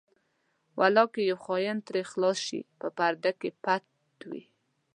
ولاکه یو خاین ترې خلاص شي په پرده کې پټ وي.